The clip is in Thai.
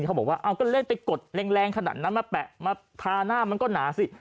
เขาบอกว่ากดแรงขนาดนั้นมาแปะมาทาหน้ามันก็หนาสิ